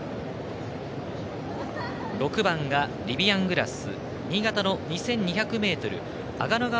６番がリビアングラス。